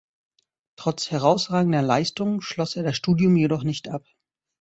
Trotz herausragender Leistungen schloss er das Studium jedoch nicht ab.